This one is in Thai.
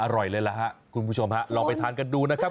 อร่อยเลยล่ะฮะคุณผู้ชมฮะลองไปทานกันดูนะครับ